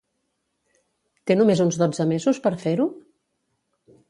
Té només uns dotze mesos per fer-ho?